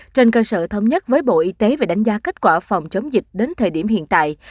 trên cơ sở thống nhất với bộ y tế về đánh giá kết quả phòng chống dịch đến thời điểm hiện tại